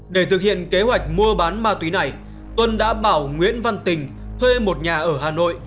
để thực hiện kế hoạch mua bán ma túy này tuân đã bảo nguyễn văn tình thuê một nhà ở hà nội